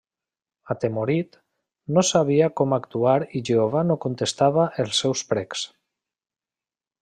Atemorit, no sabia com actuar i Jehovà no contestava els seus precs.